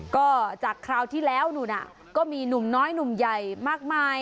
ก็จากคราวที่แล้วนู่นน่ะก็มีหนุ่มน้อยหนุ่มใหญ่มากมาย